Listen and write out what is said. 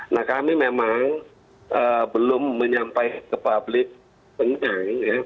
nah kami memang belum menyampai ke publik tentang ya